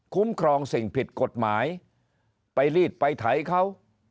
ครองสิ่งผิดกฎหมายไปรีดไปไถเขา